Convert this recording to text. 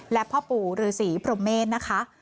และพ่อปู่ฤษีพรหมเมษนะคะ